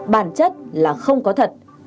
bản chất là không có thật